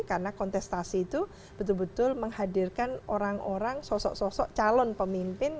karena kontestasi itu betul betul menghadirkan orang orang sosok sosok calon pemimpin